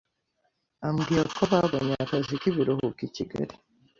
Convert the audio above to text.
ambwira ko babonye akazi k’ibiruhuko i Kigali